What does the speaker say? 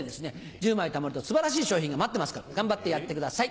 １０枚たまると素晴らしい賞品が待ってますから頑張ってやってください。